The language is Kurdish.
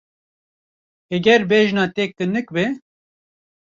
Heger bejna te kinik be.